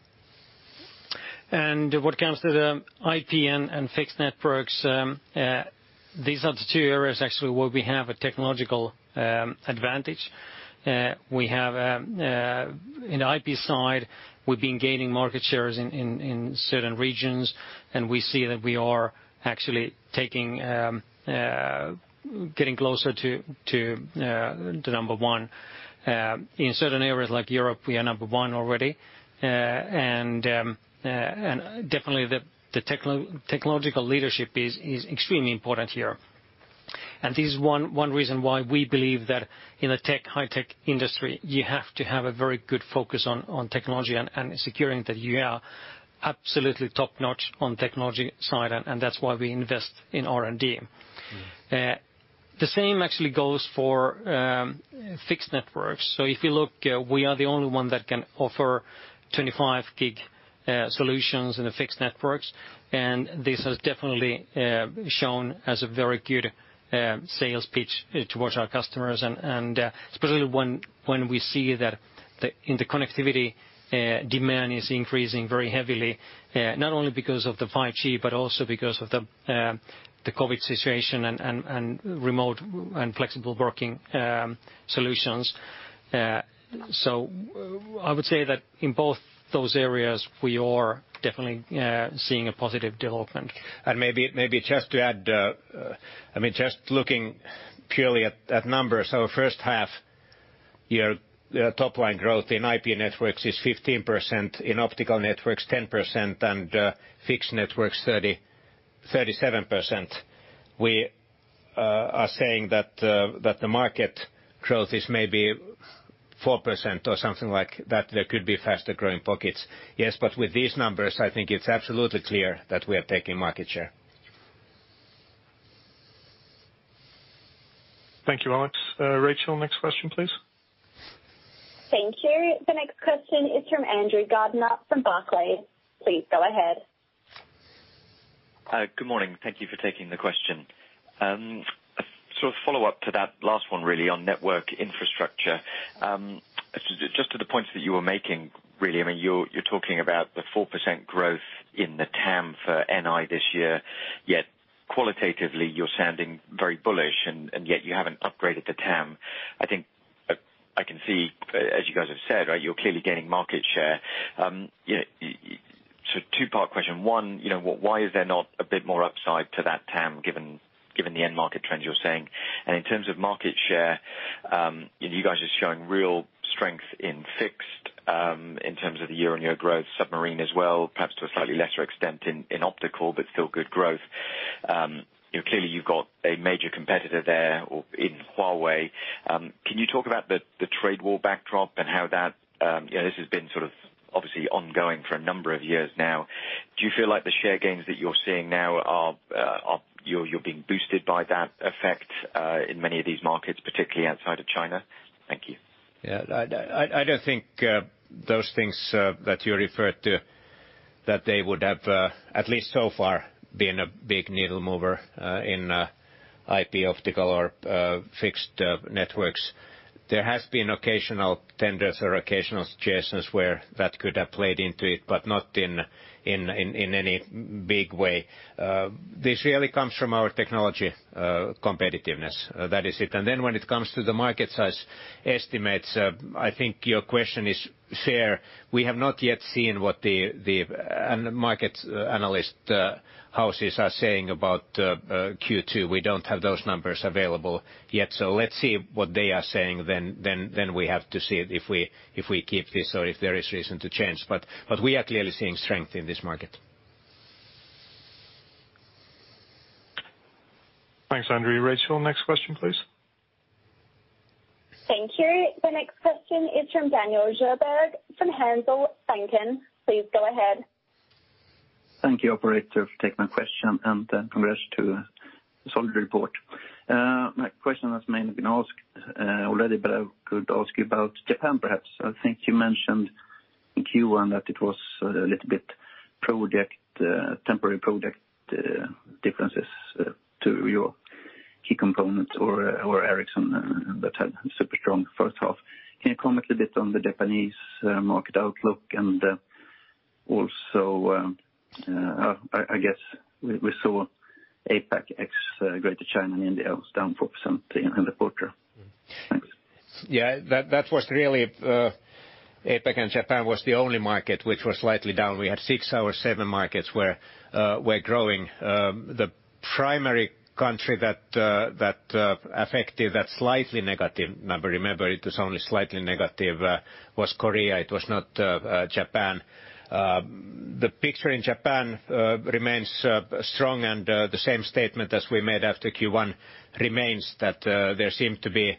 What comes to the IP and Fixed Networks, these are the two areas actually where we have a technological advantage. In IP side, we've been gaining market shares in certain regions, and we see that we are actually getting closer to the number one. In certain areas like Europe, we are number one already. Definitely, the technological leadership is extremely important here. This is one reason why we believe that in the high-tech industry, you have to have a very good focus on technology and securing that you are absolutely top-notch on technology side, and that's why we invest in R&D. The same actually goes for Fixed Networks. If you look, we are the only one that can offer 25G solutions in the Fixed Networks, and this has definitely shown as a very good sales pitch towards our customers. Especially when we see that in the connectivity, demand is increasing very heavily, not only because of the 5G, but also because of the COVID situation and remote and flexible working solutions. I would say that in both those areas, we are definitely seeing a positive development. Maybe just to add, just looking purely at numbers. Our first half year top-line growth in IP Networks is 15%, in Optical Networks 10%, and Fixed Networks 37%. We are saying that the market growth is maybe 4% or something like that. There could be faster-growing pockets, yes. With these numbers, I think it's absolutely clear that we are taking market share. Thank you, Alex. Rachel, next question, please. Thank you. The next question is from Andrew Gardiner from Barclays. Please go ahead. Good morning. Thank you for taking the question. Sort of follow up to that last one, really, on Network Infrastructure. Just to the point that you were making, really, you're talking about the 4% growth in the TAM for NI this year, yet qualitatively you're sounding very bullish and yet you haven't upgraded the TAM. I think I can see, as you guys have said, you're clearly gaining market share. two-part question. One, why is there not a bit more upside to that TAM given the end market trends you're seeing? In terms of market share, you guys are showing real strength in fixed in terms of the year-over-year growth, submarine as well, perhaps to a slightly lesser extent in optical, but still good growth. Clearly, you've got a major competitor there in Huawei. Can you talk about the trade war backdrop? This has been obviously ongoing for a number of years now. Do you feel like the share gains that you're seeing now, you're being boosted by that effect in many of these markets, particularly outside of China? Thank you. I don't think those things that you referred to, that they would have, at least so far, been a big needle mover in IP optical or Fixed Networks. There has been occasional tenders or occasional situations where that could have played into it, but not in any big way. This really comes from our technology competitiveness. That is it. When it comes to the market size estimates, I think your question is fair. We have not yet seen what the market analyst houses are saying about Q2, we don't have those numbers available yet, so let's see what they are saying, then we have to see if we keep this or if there is reason to change. We are clearly seeing strength in this market. Thanks, Andrew. Rachel, next question, please. Thank you. The next question is from Daniel Djurberg, from Handelsbanken. Please go ahead. Thank you, operator. Take my question and then congrats to the solid report. My question has mainly been asked already. I could ask you about Japan, perhaps. I think you mentioned in Q1 that it was a little bit temporary product differences to your key components or Ericsson that had super strong first half. Can you comment a bit on the Japanese market outlook and also, I guess we saw APAC ex-Greater China and India was down 4% in the quarter. Thanks. That was really, APAC and Japan was the only market which was slightly down. We had six or seven markets were growing. The primary country that affected that slightly negative number, remember, it was only slightly negative, was Korea. It was not Japan. The picture in Japan remains strong and the same statement as we made after Q1 remains that there seemed to be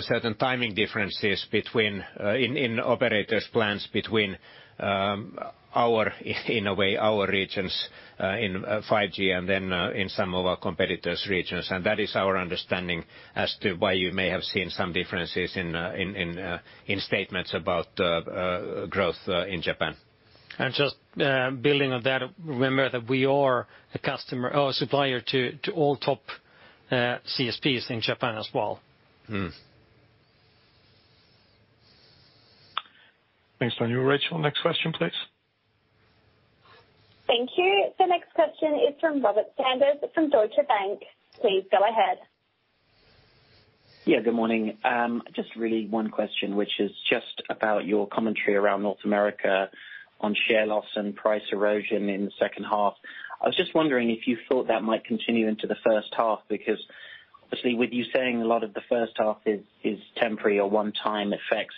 certain timing differences in operators' plans between, in a way our regions in 5G and then in some of our competitors regions. That is our understanding as to why you may have seen some differences in statements about growth in Japan. Just building on that, remember that we are a supplier to all top CSP in Japan as well. Thanks, Daniel. Rachel, next question, please. Thank you. The next question is from Robert Sanders from Deutsche Bank. Please go ahead. Good morning. Just really one question, which is just about your commentary around North America on share loss and price erosion in the second half. I was just wondering if you thought that might continue into the first half, because obviously with you saying a lot of the first half is temporary or one-time effects,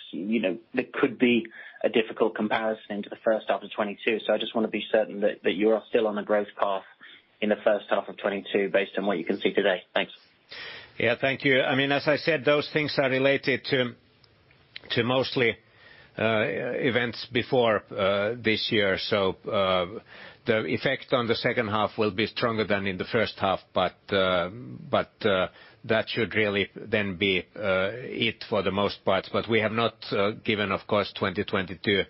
there could be a difficult comparison into the first half of 2022. I just want to be certain that you are still on a growth path in the first half of 2022 based on what you can see today. Thanks. Yeah, thank you. As I said, those things are related to mostly events before this year. The effect on the second half will be stronger than in the first half. That should really then be it for the most part. We have not given, of course, 2022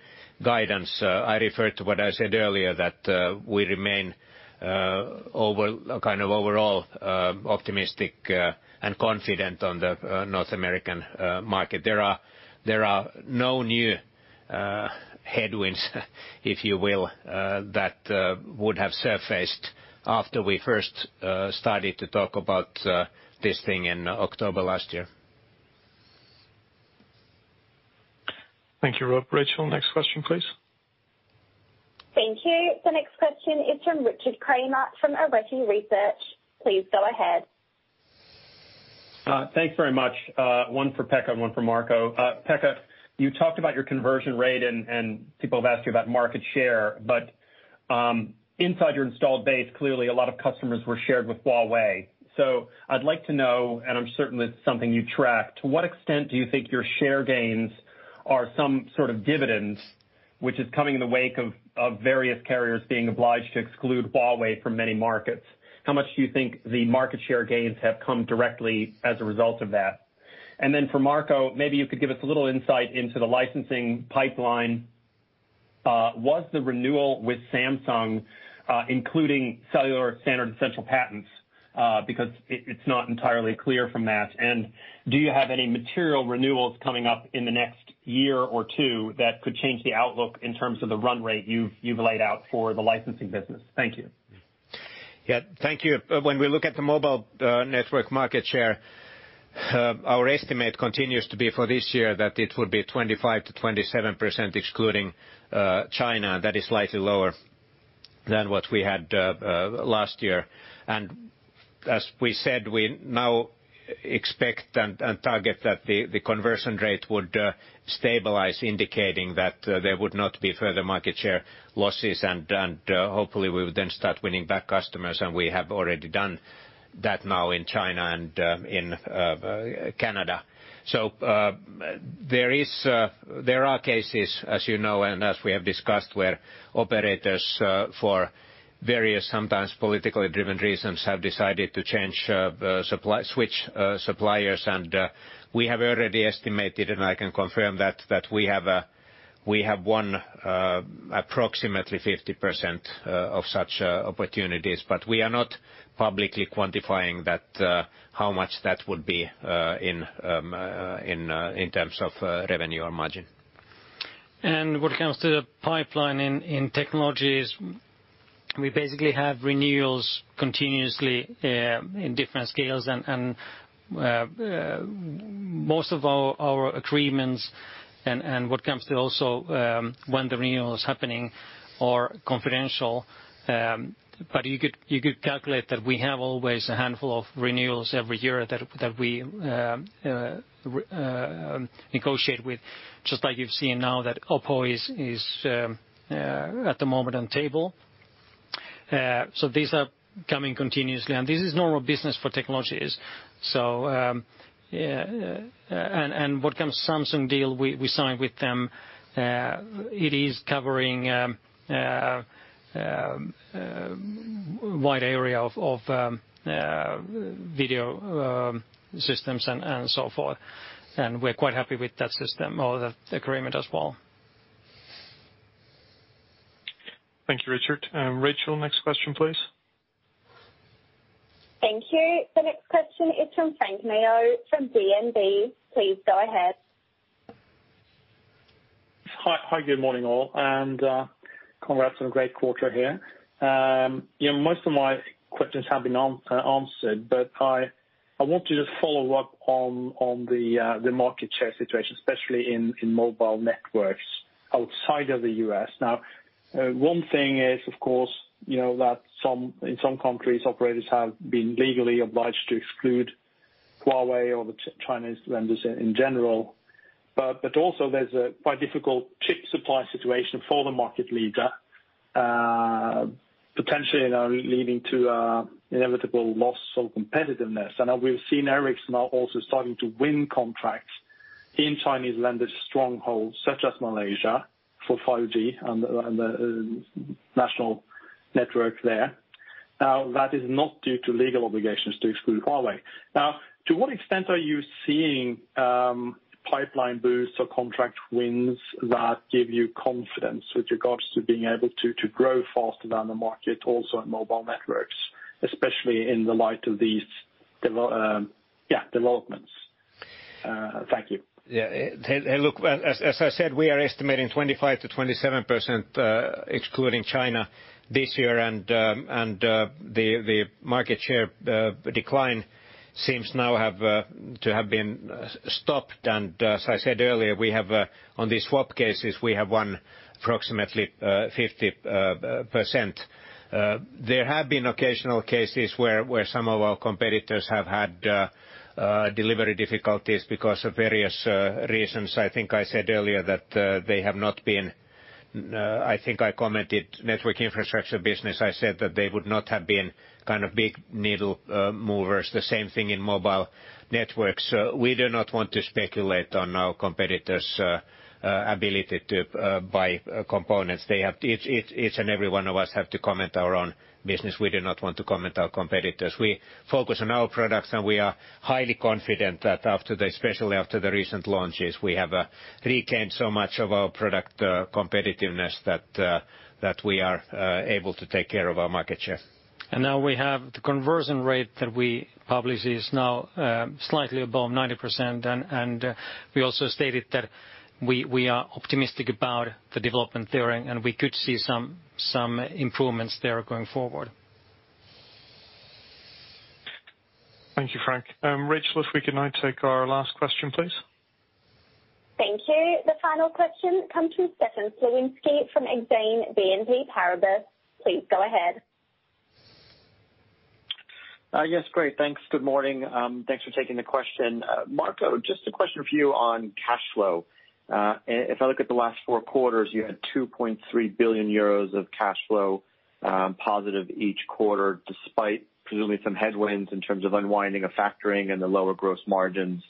guidance. I refer to what I said earlier, that we remain overall optimistic and confident on the North American market. There are no new headwinds if you will that would have surfaced after we first started to talk about this thing in October last year. Thank you, Rob. Rachel, next question, please. Thank you. The next question is from Richard Kramer from Arete Research. Please go ahead. Thanks very much. One for Pekka and one for Marco. Pekka, you talked about your conversion rate, and people have asked you about market share, but inside your installed base, clearly a lot of customers were shared with Huawei. I'd like to know, and I'm certain it's something you track, to what extent do you think your share gains are some sort of dividends, which is coming in the wake of various carriers being obliged to exclude Huawei from many markets? How much do you think the market share gains have come directly as a result of that? Then for Marco, maybe you could give us a little insight into the licensing pipeline. Was the renewal with Samsung including cellular standard essential patents? Because it's not entirely clear from that. Do you have any material renewals coming up in the next year or two that could change the outlook in terms of the run rate you've laid out for the licensing business? Thank you. Yeah. Thank you. When we look at the mobile network market share, our estimate continues to be for this year that it will be 25%-27% excluding China. That is slightly lower than what we had last year. As we said, we now expect and target that the conversion rate would stabilize, indicating that there would not be further market share losses, and hopefully we would then start winning back customers, and we have already done that now in China and in Canada. There are cases, as you know, and as we have discussed, where operators for various, sometimes politically driven reasons, have decided to switch suppliers. We have already estimated, and I can confirm that we have won approximately 50% of such opportunities. We are not publicly quantifying how much that would be in terms of revenue or margin. When it comes to the pipeline in Technologies, we basically have renewals continuously in different scales and most of our agreements and what comes to also when the renewal is happening are confidential. You could calculate that we have always a handful of renewals every year that we negotiate with, just like you've seen now that OPPO is at the moment on table. These are coming continuously, and this is normal business for Technologies. What comes Samsung deal, we sign with them. It is covering a wide area of video systems and so forth. We're quite happy with that system or the agreement as well. Thank you, Richard. Rachel, next question, please. Thank you. The next question is from Frank Maaø from DNB. Please go ahead. Hi, good morning all, and congrats on a great quarter here. Most of my questions have been answered. I want to just follow up on the market share situation, especially in mobile networks outside of the U.S. One thing is, of course, that in some countries operators have been legally obliged to exclude Huawei or the Chinese vendors in general. Also, there's a quite difficult chip supply situation for the market leader, potentially now leading to inevitable loss of competitiveness. We've seen Ericsson now also starting to win contracts in Chinese vendors' strongholds such as Malaysia for 5G and the national network there. That is not due to legal obligations to exclude Huawei. Now, to what extent are you seeing pipeline boosts or contract wins that give you confidence with regards to being able to grow faster than the market also in Mobile Networks, especially in the light of these developments? Thank you. Yeah. Hey, look, as I said, we are estimating 25%-27% excluding China this year. The market share decline seems now to have been stopped. As I said earlier, on the swap cases, we have won approximately 50%. There have been occasional cases where some of our competitors have had delivery difficulties because of various reasons. I think I said earlier that I commented Network Infrastructure business, I said that they would not have been kind of big needle movers. The same thing in Mobile Networks. We do not want to speculate on our competitors' ability to buy components. Each and every one of us have to comment our own business. We do not want to comment our competitors. We focus on our products, and we are highly confident that especially after the recent launches, we have regained so much of our product competitiveness that we are able to take care of our market share. Now we have the conversion rate that we publish is now slightly above 90%, and we also stated that we are optimistic about the development there, and we could see some improvements there going forward. Thank you, Frank. Rachel, if we can now take our last question, please. Thank you. The final question comes from Stefan Slowinski from Exane BNP Paribas. Please go ahead. Yes, great. Thanks. Good morning. Thanks for taking the question. Marco, just a question for you on cash flow. If I look at the last four quarters, you had 2.3 billion euros of cash flow positive each quarter, despite presumably some headwinds in terms of unwinding of factoring and the lower gross margins.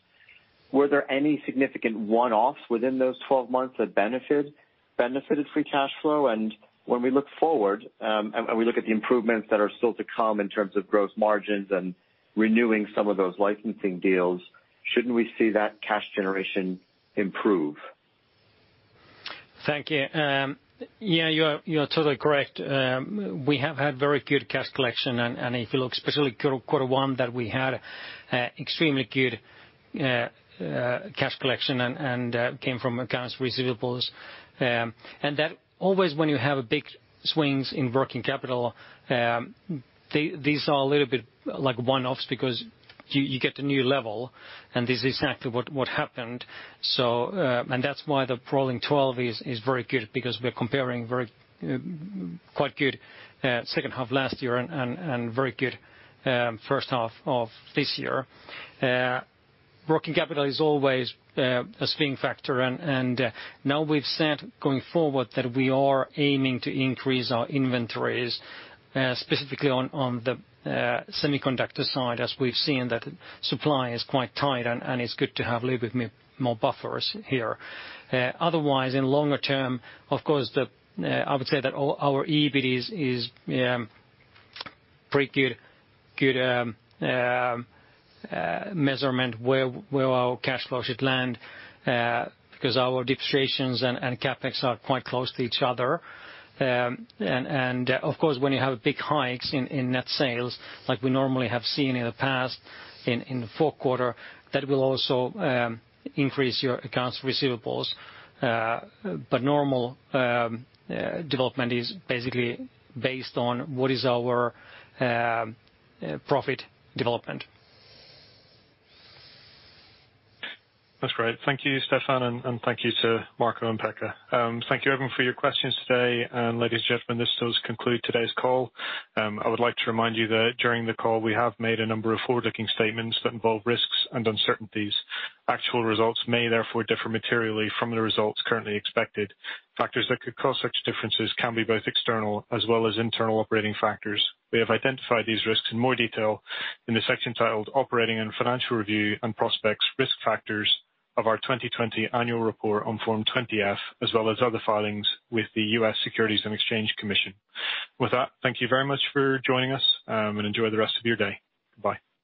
Were there any significant one-offs within those 12 months that benefited free cash flow? When we look forward, and we look at the improvements that are still to come in terms of gross margins and renewing some of those licensing deals, shouldn't we see that cash generation improve? Thank you. Yeah, you are totally correct. We have had very good cash collection, and if you look specifically quarter one that we had extremely good cash collection and came from accounts receivables. That always when you have big swings in working capital, these are a little bit like one-offs because you get a new level, and this is exactly what happened. That's why the rolling 12 is very good because we are comparing quite good second half last year and very good first half of this year. Working capital is always a swing factor. Now we've said going forward that we are aiming to increase our inventories, specifically on the semiconductor side as we've seen that supply is quite tight, and it's good to have a little bit more buffers here. Otherwise, in longer term, of course, I would say that our EBIT is pretty good measurement where our cash flow should land, because our depreciations and CapEx are quite close to each other. Of course, when you have big hikes in net sales, like we normally have seen in the past in the fourth quarter, that will also increase your accounts receivables. Normal development is basically based on what is our profit development. That's great. Thank you, Stefan, and thank you to Marco and Pekka. Thank you everyone for your questions today. Ladies and gentlemen, this does conclude today's call. I would like to remind you that during the call we have made a number of forward-looking statements that involve risks and uncertainties. Actual results may therefore differ materially from the results currently expected. Factors that could cause such differences can be both external as well as internal operating factors. We have identified these risks in more detail in the section titled Operating and Financial Review and Prospects Risk Factors of our 2020 annual report on Form 20-F, as well as other filings with the U.S. Securities and Exchange Commission. With that, thank you very much for joining us, and enjoy the rest of your day. Bye.